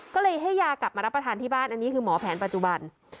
ก็เลยให้ยากลับมารับประทานที่บ้านอันนี้คือหมอแผนปัจจุบัน